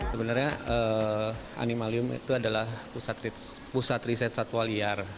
sebenarnya animalium itu adalah pusat riset satwa liar